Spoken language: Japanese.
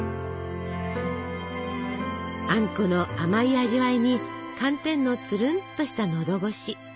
あんこの甘い味わいに寒天のつるんとした喉ごし。